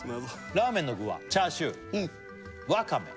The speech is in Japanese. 「ラーメンの具はチャーシューわかめ」